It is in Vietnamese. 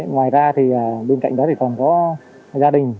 ngoài ra bên cạnh đó còn có gia đình